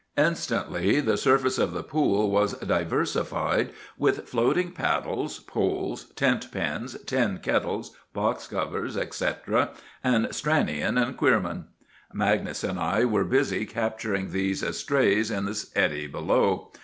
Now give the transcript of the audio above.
Instantly the surface of the pool was diversified with floating paddles, poles, tent pins, tin kettles, box covers, etc., and Stranion and Queerman, Magnus and I, were busy capturing these estrays in the eddy below.